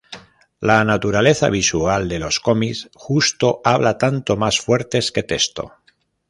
La naturaleza visual de los cómics justo habla tanto más fuertes que texto.